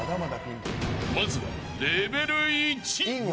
まずはレベル１。